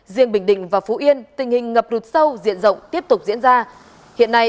riêng bình định và phú yên tình hình ngập lụt sâu diện rộng tiếp tục diễn ra